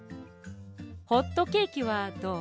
ホットケーキはどう？